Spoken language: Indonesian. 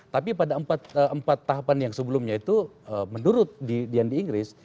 tapi pada empat tahapan yang sebelumnya itu menurut yang di inggris